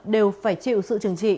đều phải chịu sự trừng trị